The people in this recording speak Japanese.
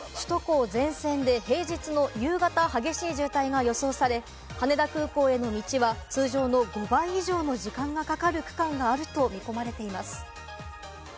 この影響により首都高全線で平日の夕方、激しい渋滞が予想され、羽田空港への道は通常の５倍以上の時間がかかる区間があると見込まれています。